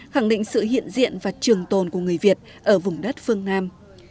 khẳng định sự hiện diện và trường tồn của người việt ở vùng đất phương nam